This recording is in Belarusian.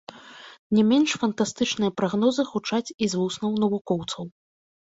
Не менш фантастычныя прагнозы гучаць і з вуснаў навукоўцаў.